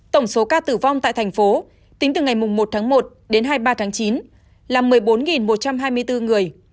tổng số ca tử vong tại thành phố tính từ ngày một tháng một đến hai mươi ba tháng chín là một mươi bốn một trăm hai mươi bốn người